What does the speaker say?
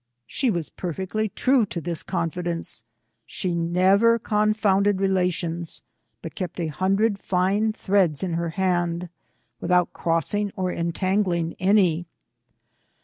She was perfectly true to this confidence. She never confounded relations_, but kept a hundred fine threads in her hand, without crossing or entangling any.